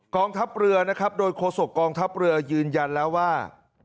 งทัพเรือนะครับโดยโฆษกองทัพเรือยืนยันแล้วว่า